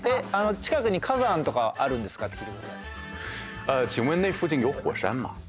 近くに火山とかあるんですかって聞いてください。